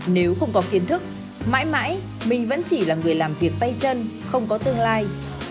nếu không có kiến thức mãi mãi mình vẫn chỉ là người làm việc tay chân không có tương lai